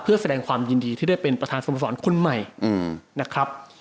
เพื่อแสดงความยินดีที่ได้เป็นประธานสมสรคนใหม่นะครับ